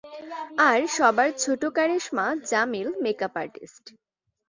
আর সবার ছোট Karishma Jamil makeup artist.